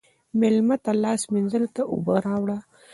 مېلمه ته لاس مینځلو ته اوبه راوله.